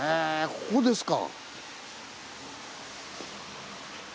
ここですか。